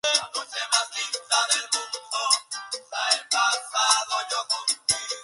Al año siguiente, participó como artista invitada al Festival de Viña del Mar.